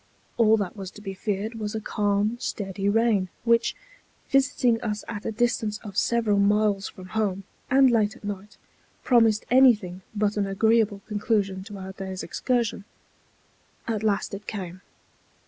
All that was to be feared was a calm, steady rain, which, visiting us at a distance of several miles from home, and late at night, promised any thing but an agreeable conclusion to our day's excursion. At last it came.